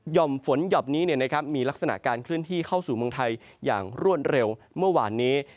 ่อมฝนหย่อมนี้มีลักษณะการเคลื่อนที่เข้าสู่เมืองไทยอย่างรวดเร็วเมื่อวานนี้